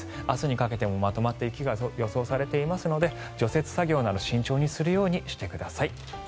明日にかけてもまとまった雪が予想されていますので除雪作業など慎重にするようにしてください。